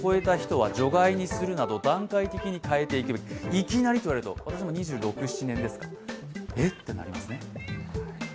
いきなりと言われると、私も２６２７年ですから、えっ、ってなります。